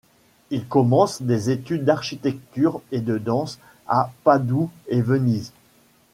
Il commence des études d’architecture et de danse à Padoue et Venise.